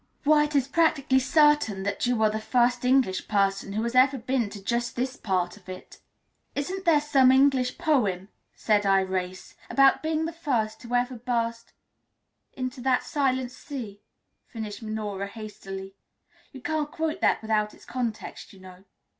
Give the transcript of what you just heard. "Why, it is practically certain that you are the first English person who has ever been to just this part of it." "Isn't there some English poem," said Irais, "about being the first who ever burst " "'Into that silent sea,'" finished Minora hastily. "You can't quote that without its context, you know."